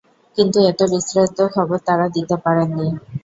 কিন্তু এত বিস্তারিত খবর তাঁরা দিতে পারেননি।